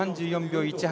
３４秒１８。